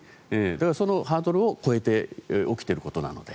そのハードルを越えて起きていることなので。